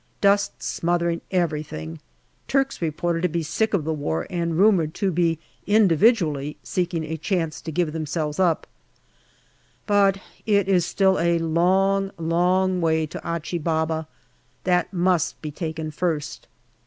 Dust smothering everything. Turks reported to be sick of the war, and rumoured to be individually seeking a chance to give themselves up. But it is still a long, long way to Achi Baba. That must be taken first.